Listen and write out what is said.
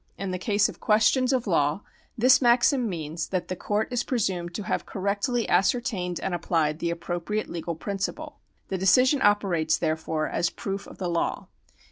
In the case of questions of law, this maxim means that the court is pre sumed to have correctly ascertained and applied the appro priate legal principle. The decision operates, therefore, as proof of the law.